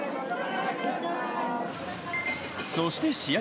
そして試合